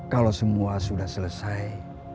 kalau semua sudah selesai